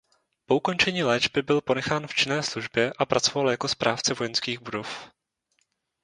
Po ukončení léčby byl ponechán v činné službě a pracoval jako správce vojenských budov.